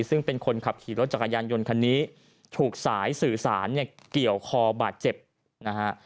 ซึ่งเป็นคนขับขี่รถจักรยานยนต์คันนี้ถูกสายสื่อสารเนี่ยเกี่ยวคอบาดเจ็บนะฮะ